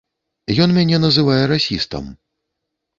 Ён мяне называе расістам.